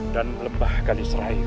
dan lembah kalisray